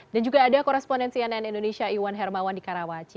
dan juga ada koresponen cnn indonesia iwan hermawan di karawaci